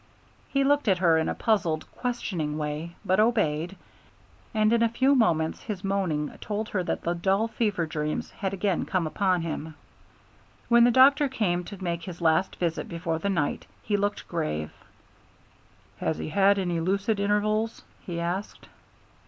He looked at her in a puzzled, questioning way, but obeyed, and in a few moments his moaning told her that the dull fever dreams had again come upon him. When the doctor came to make his last visit before the night, he looked grave. "Has he had any lucid intervals?" he asked.